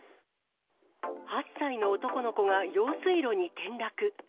８歳の男の子が用水路に転落。